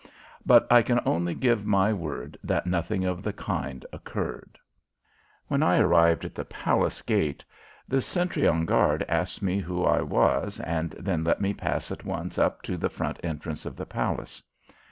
But I can only give my word that nothing of the kind occurred. When I arrived at the palace gate the sentry on guard asked me who I was, and then let me pass at once up to the front entrance of the palace.